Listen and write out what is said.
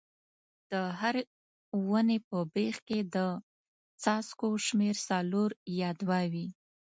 د هرې ونې په بیخ کې د څاڅکو شمېر څلور یا دوه وي.